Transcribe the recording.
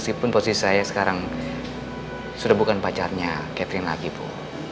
masih pun posisi saya sekarang sudah bukan pacarnya catherine lagi bu